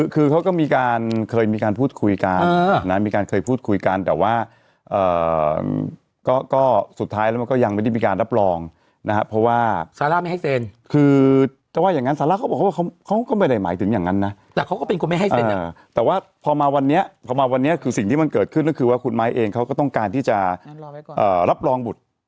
คือเขาก็มีการเคยมีการพูดคุยกันนะมีการเคยพูดคุยกันแต่ว่าก็สุดท้ายแล้วมันก็ยังไม่ได้มีการรับรองนะครับเพราะว่าซาร่าไม่ให้เซ็นคือจะว่าอย่างนั้นซาร่าเขาบอกว่าเขาก็ไม่ได้หมายถึงอย่างนั้นนะแต่เขาก็เป็นคนไม่ให้เซ็นแต่ว่าพอมาวันนี้พอมาวันนี้คือสิ่งที่มันเกิดขึ้นก็คือว่าคุณไม้เองเขาก็ต้องการที่จะรับรองบุตร